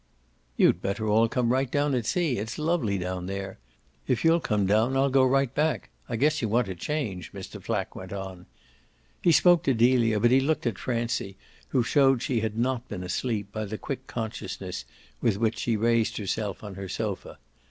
"You'd better all come right down and see. It's lovely down there. If you'll come down I'll go right back. I guess you want a change," Mr. Flack went on. He spoke to Delia but he looked at Francie, who showed she had not been asleep by the quick consciousness with which she raised herself on her sofa.